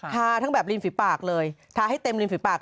ทั้งแบบริมฝีปากเลยทาให้เต็มริมฝีปาก